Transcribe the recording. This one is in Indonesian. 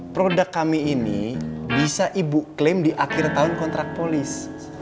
produk kami ini bisa ibu klaim di akhir tahun kontrak polis